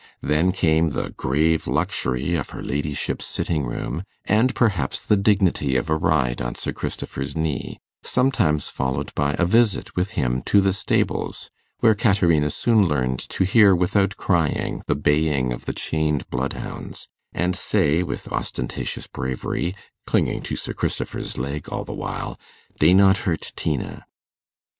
Then came the grave luxury of her ladyship's sitting room, and, perhaps, the dignity of a ride on Sir Christopher's knee, sometimes followed by a visit with him to the stables, where Caterina soon learned to hear without crying the baying of the chained bloodhounds, and say, with ostentatious bravery, clinging to Sir Christopher's leg all the while, 'Dey not hurt Tina.